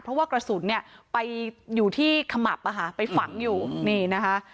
เพราะว่ากระสุนเนี่ยไปอยู่ที่ขมับอะค่ะไปฝังอยู่นี่นะคะ